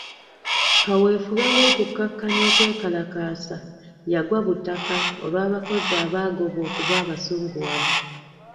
Kaweefube w'okukakkanya okwekalakaasa yagwa butaka olw'abakozi abaagobwa okuba abasunguwavu.